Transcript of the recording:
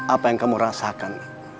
apa yang kamu rasakan